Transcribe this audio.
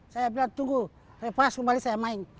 saya bilang tunggu repas kembali saya main